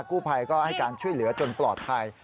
กู้ภัยก็ให้การช่วยเหลือจนปลอดภัย